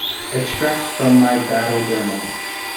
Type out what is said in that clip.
"Extracts from My Battle Journal"